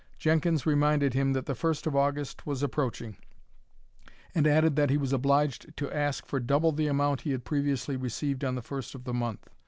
Jenkins reminded him that the first of August was approaching, and added that he was obliged to ask for double the amount he had previously received on the first of the month.